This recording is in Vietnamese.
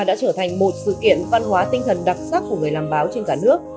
đã trở thành một sự kiện văn hóa tinh thần đặc sắc của người làm báo trên cả nước